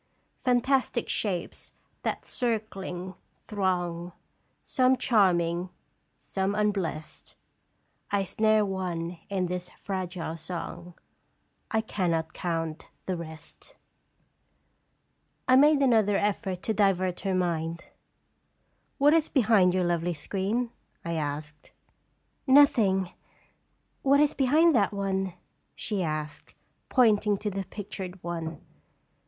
" Fantastic shapes that, circling, throng, Some charming, some unblest ; I snare one in this fragile song, I cannot count the rest." Eeueier. 79 I made another effort to divert her mind. " What is behind your lovely screen?" I asked. " Nothing. What is behind that one?" she asked, pointing to the pictured one.